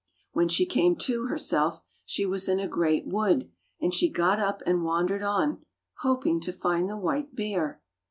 When she came to herself she was in a great wood, and she got up and wandered on, hoping to find the white bear.